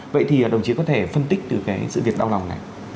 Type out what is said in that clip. vậy thì đồng chí có thể phân tích từ cái sự việc đau lòng này